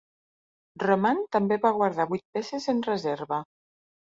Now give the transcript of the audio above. Roman també va guardar vuit peces en reserva.